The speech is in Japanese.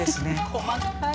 細かいな。